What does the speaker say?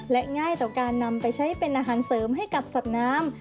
และง่ายต่อการนำไปใช้เป็นอาหารเสริมให้กับสัตว์น้ำ